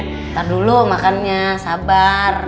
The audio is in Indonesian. ntar dulu makannya sabar